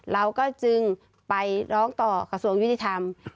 เราก็จึงไปร้องต่อกระทั่งรัฐมนตรีติดทำ